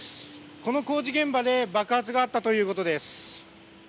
この工事現場で爆発があったということです。